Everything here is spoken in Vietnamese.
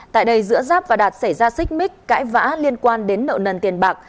tại đây giữa giáp và đạt xảy ra xích mích cãi vã liên quan đến nợ nần tiền bạc